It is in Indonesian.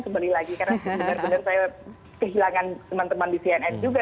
kembali lagi karena benar benar saya kehilangan teman teman di cnn juga